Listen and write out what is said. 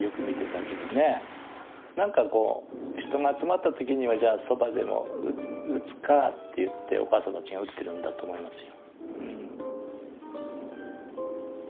何か人が集まった時にはじゃあ蕎麦でも打つかって言っておかあさんたちが打ってるんだと思いますよ。